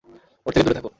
ওর থেকে দূরে থাকো।